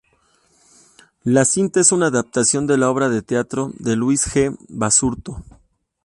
La cinta es una adaptación de la obra de teatro de Luis G. Basurto.